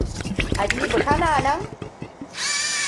Habibu kana nan?